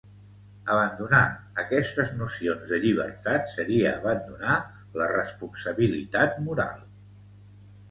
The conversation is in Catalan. Abandonar aquestes nocions de llibertat seria abandonar la responsabilitat moral.